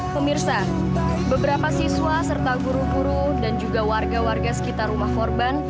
pemirsa beberapa siswa serta guru guru dan juga warga warga sekitar rumah korban